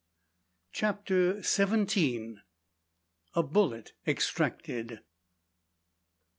CHAPTER SEVENTEEN. A BULLET EXTRACTED.